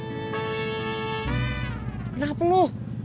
dad kenapa lo